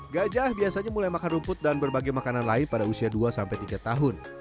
gajah biasanya mulai makan rumput dan berbagai makanan lain pada usia dua sampai tiga tahun